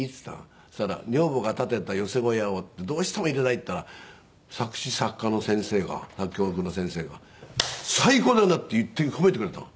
そしたら「女房が建てた寄席小屋を」ってどうしても入れたいって言ったら作詞作曲の先生が「最高だな」って言って褒めてくれたの。